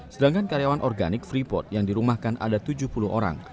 sedangkan karyawan organik freeport yang dirumahkan ada tujuh puluh orang